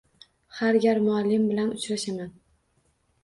Har gal muallim bilan uchrashaman.